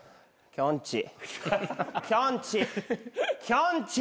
きょんちぃ。